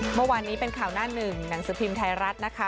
เมื่อวานนี้เป็นข่าวหน้าหนึ่งหนังสือพิมพ์ไทยรัฐนะคะ